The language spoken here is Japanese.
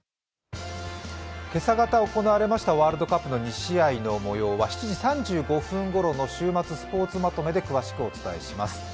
今朝方行われましたワールドカップ２試合のもようは７時３５分頃の「週末スポーツまとめ」で詳しくお伝えします。